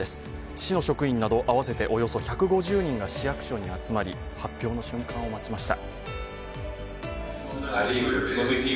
市の職員など合わせておよそ１５０人が市役所に集まり、発表の瞬間を待ちました。